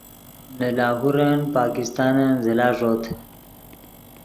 نے لاہور پاکستانن زل ݱوت